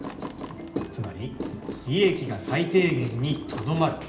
つまり利益が最低限にとどまる。